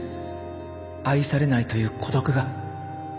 愛されないという孤独が。